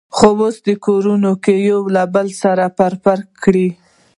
خو اوس یې کورنیو یو د بل سره پړی پرې کړی.